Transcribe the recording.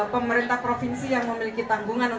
pemerintah provinsi yang memiliki tanggung jawab